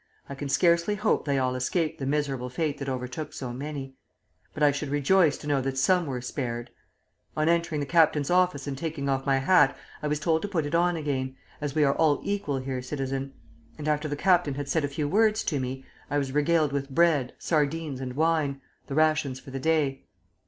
I can scarcely hope they all escaped the miserable fate that overtook so many; but I should rejoice to know that some were spared. On entering the captain's office and taking off my hat, I was told to put it on again, 'as we are all equal here, Citizen;' and after the captain had said a few words to me, I was regaled with bread, sardines, and wine, the rations for the day.